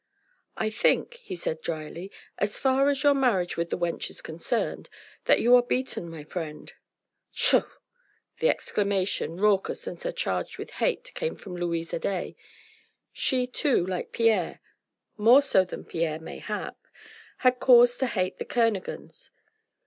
"I think," he said drily, "as far as your marriage with the wench is concerned, that you are beaten, my friend." "Tshaw!" The exclamation, raucous and surcharged with hate came from Louise Adet. She, too, like Pierre more so than Pierre mayhap had cause to hate the Kernogans.